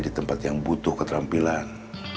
di tempat yang butuh keterampilan